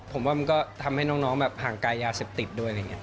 ผมว่ามันก็ทำให้น้องแบบห่างกายยาเสพติดด้วยอะไรอย่างนี้